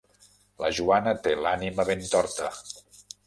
La Joana té l'ànima ben torta.